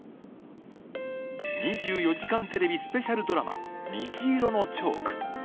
２４時間テレビスペシャルドラマ、虹色のチョーク。